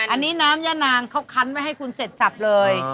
อันนี้น้ำย่านางเขาคันไว้ให้คุณเสร็จสับเลย